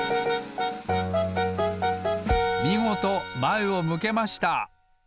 みごとまえを向けました！